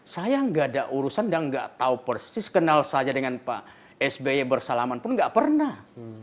saya nggak ada urusan dan nggak tahu persis kenal saja dengan pak sby bersalaman pun nggak pernah